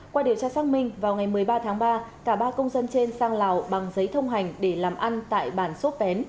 qua điều tra xác minh vào ngày một mươi ba tháng ba cả ba công dân trên sang lào bằng giấy thông hành để làm ăn tại bản xốp pén